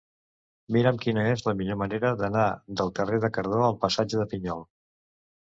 Mira'm quina és la millor manera d'anar del carrer de Cardó al passatge de Pinyol.